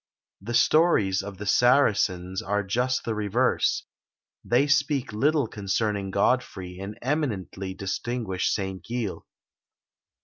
The stories of the Saracens are just the reverse; they speak little concerning Godfrey, and eminently distinguish Saint Gilles.